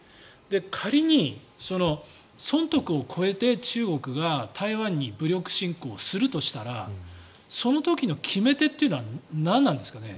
仮に損得を超えて、中国が台湾に武力進攻するとしたらその時の決め手というのは何なんですかね。